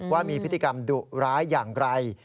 ว่ามีพฤติกรรมดุร้ายอย่างไร